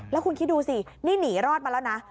แล้วคุณคิดดูสินี่หนีรอดมาแล้วนะ